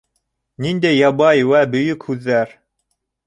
Ниндәй ябай вә бөйөк һүҙҙәр!